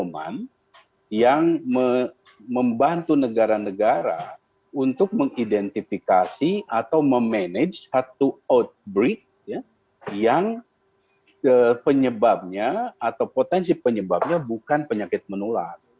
yang membantu negara negara untuk mengidentifikasi atau memanage satu outbreak yang penyebabnya atau potensi penyebabnya bukan penyakit menular